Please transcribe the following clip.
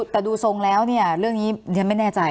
แต่ดูทรงแล้วเนี่ยเรื่องนี้ฉันไม่แน่ใจ